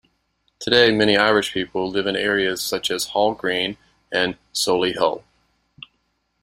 Today many Irish people live in areas such as Hall Green and Solihull.